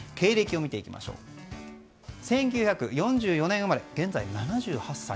１９４４年生まれの現在、７８歳。